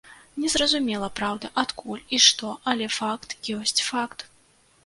Не зразумела, праўда, адкуль і што, але факт ёсць факт.